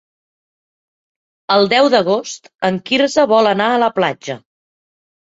El deu d'agost en Quirze vol anar a la platja.